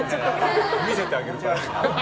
見せてあげるから。